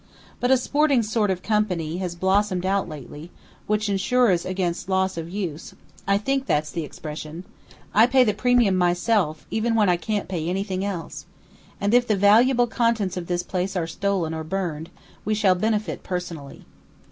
But a sporting sort of company has blossomed out lately, which insures against 'loss of use' I think that's the expression. I pay the premium myself even when I can't pay anything else! and if the valuable contents of this place are stolen or burned, we shall benefit personally.